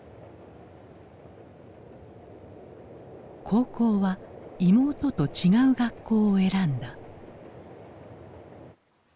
高校は妹と違う学校を選んだ。